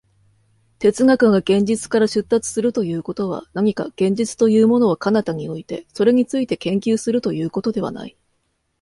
哲学が現実から出立するということは、何か現実というものを彼方に置いて、それについて研究するということではない。